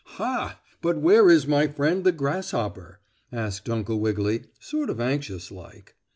"Ha! But where is my friend the grasshopper?" asked Uncle Wiggily, sort of anxious like.